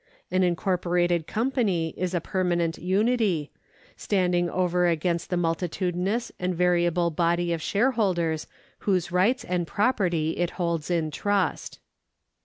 An incorjioratcd company is a permanent unity, standing over against the multitudinous and variable body of shareholders whose rights and property it holds in trust.